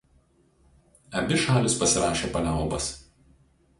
Abi šalys pasirašė paliaubas.